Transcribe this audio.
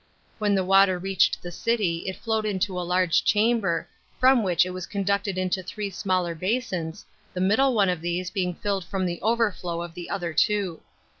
When the water reached the city it flowed into a large chamber, from which it was conducted into three smaller basins, the middle on« of these being filled from the overflow of the other two.